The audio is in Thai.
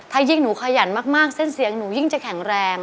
ถ้ายิ่งหนูขยันมากเส้นเสียงหนูยิ่งจะแข็งแรง